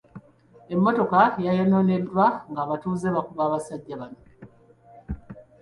Emmotoka yayonooneddwa ng'abatuuze bakuba abasajja bano.